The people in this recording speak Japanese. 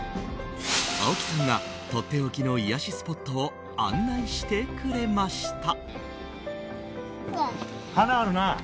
青木さんがとっておきの癒やしスポットを案内してくれました。